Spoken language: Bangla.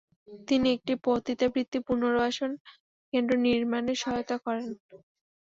তিনি একটি পতিতাবৃত্তি পুনর্বাসন কেন্দ্র নির্মাণে সহায়তা করেন।